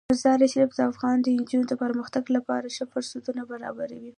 مزارشریف د افغان نجونو د پرمختګ لپاره ښه فرصتونه برابروي.